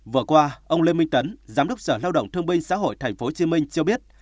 vừa qua ông lê minh tấn giám đốc sở lao động thương binh xã hội tp hcm cho biết